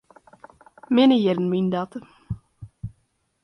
Minne jierren wienen dat.